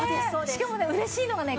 しかもね嬉しいのがね